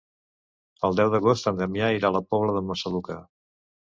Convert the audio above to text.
El deu d'agost en Damià irà a la Pobla de Massaluca.